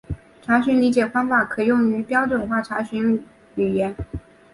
查询理解方法可用于标准化查询语言。